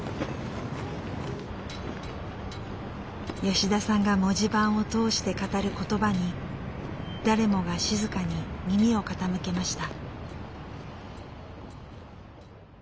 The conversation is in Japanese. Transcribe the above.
吉田さんが文字盤を通して語る言葉に誰もが静かに耳を傾けました。